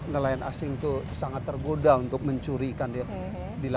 nelayan asing itu sangat tergoda untuk mencuri ikan di laut kita